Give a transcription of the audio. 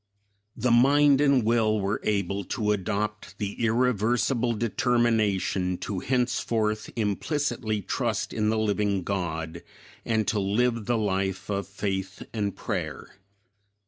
The mind and will were able to adopt the irreversible determination to henceforth implicitly trust in the living God and to live the life of faith and prayer.